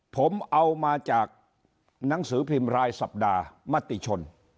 ผมเอามาจากหนังสือพิมพ์รายสัปดาห์มติชน